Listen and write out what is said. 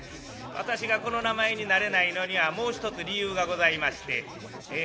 私がこの名前に慣れないのにはもう一つ理由がございましてえ